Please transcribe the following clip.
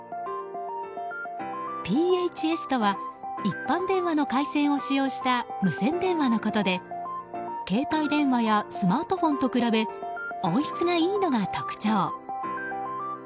ＰＨＳとは一般電話の回線を使用した無線電話のことで携帯電話やスマートフォンと比べ音質がいいのが特徴。